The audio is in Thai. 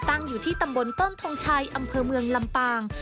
ตั้งอยู่ที่ตำบลต้นทงชัยอำเภอเมืองลำปาง